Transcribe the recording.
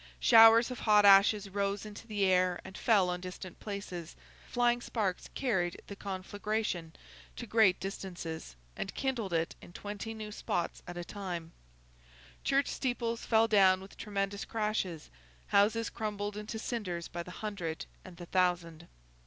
Showers of hot ashes rose into the air and fell on distant places; flying sparks carried the conflagration to great distances, and kindled it in twenty new spots at a time; church steeples fell down with tremendous crashes; houses crumbled into cinders by the hundred and the thousand.